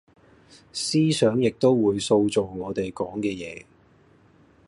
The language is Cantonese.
思想亦都會塑造我地講嘅野